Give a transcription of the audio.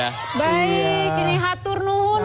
baik ini haturnuhun ya